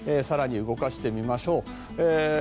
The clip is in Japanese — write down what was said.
更に動かしてみましょう。